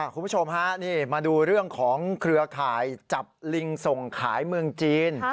คุณผู้ชมฮะนี่มาดูเรื่องของเครือข่ายจับลิงส่งขายเมืองจีน